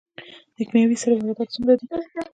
د کیمیاوي سرې واردات څومره دي؟